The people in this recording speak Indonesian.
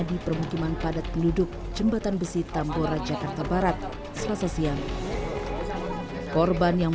di permukiman padat penduduk jembatan besi tambora jakarta barat selasa siang korban yang